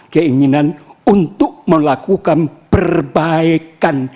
keinginan untuk melakukan perbaikan